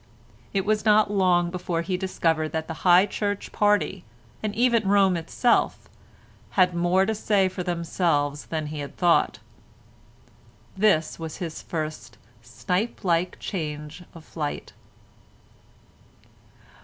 It was not long before he discovered that the High Church party, and even Rome itself, had more to say for themselves than he had thought. This was his first snipe like change of flight.